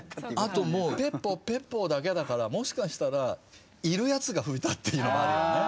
あともうペッポペッポだけだからもしかしたらいるやつが吹いたっていうのもあるよね。